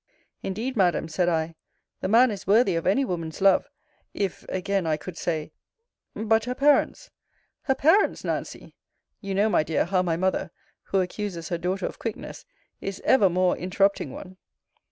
Indeed, Madam, said I, the man is worthy of any woman's love [if, again, I could say] But her parents Her parents, Nancy [You know, my dear, how my mother, who accuses her daughter of quickness, is evermore interrupting one!